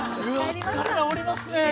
疲れなおりますね